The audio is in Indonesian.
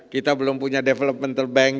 kita belum punya developmental bank